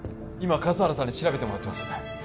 今笠原さんに調べてもらってます